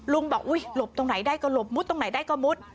บอกอุ๊ยหลบตรงไหนได้ก็หลบมุดตรงไหนได้ก็มุด